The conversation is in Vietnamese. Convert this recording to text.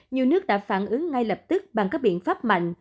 nhiều nước đã phản ứng ngay lập tức bằng các biện pháp mạnh